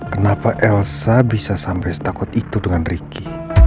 kenapa elsa bisa sampai setakut itu dengan ricky